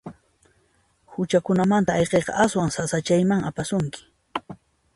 Huchakunamanta ayqiyqa aswan sasachayman apasunki.